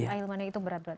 akhiratnya itu berat berat